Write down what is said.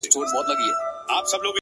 بیا ورته وایه چي ولي زه هر ځل زه یم’